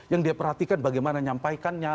yang dia perhatikan bagaimana nyampaikannya